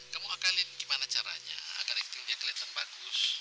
kamu ngakalin gimana caranya agar dia kelihatan bagus